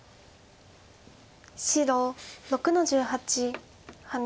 白６の十八ハネ。